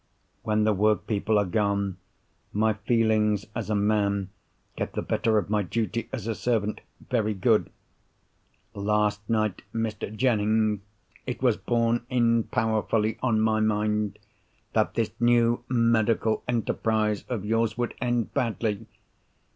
When the workpeople are gone, my feelings as a man get the better of my duty as a servant. Very good. Last night, Mr. Jennings, it was borne in powerfully on my mind that this new medical enterprise of yours would end badly.